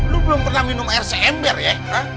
lo belum pernah minum air seember ya